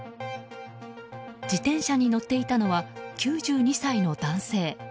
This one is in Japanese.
自転車に乗っていたのは９２歳の男性。